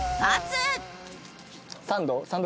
サンド？